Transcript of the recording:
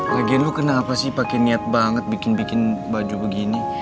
lagian lu kenapa sih pakai niat banget bikin bikin baju begini